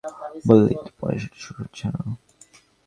রিজভী সাহেব তুমুল যুদ্ধের কথা বললেও ঈদের পরই সেটা শুরু হচ্ছে না।